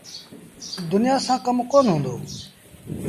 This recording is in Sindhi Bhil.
دنيآ سآݩ ڪم ڪونا هُݩدو۔